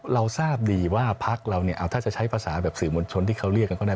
เราทราบดีว่าภักดิ์เราถ้าจะใช้ภาษาแบบสื่อมนต์ชนที่เขาเรียกก็ได้